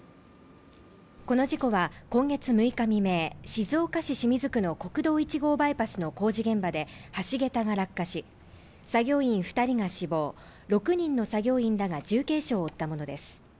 この事故は今月６日未明、静岡市清水区の国道１号バイパスの工事現場で橋桁が落下し、作業員２人が死亡、６人の作業員らが重軽傷を負ったものです。